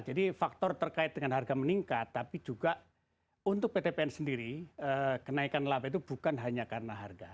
jadi faktor terkait dengan harga meningkat tapi juga untuk pt pn sendiri kenaikan lhb itu bukan hanya karena harga